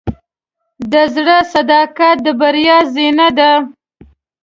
د زړۀ صداقت د بریا زینه ده.